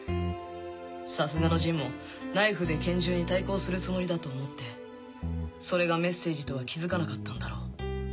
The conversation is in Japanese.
さすがのジンもナイフで拳銃に対抗するつもりだと思ってそれがメッセージとは気づかなかったんだろう。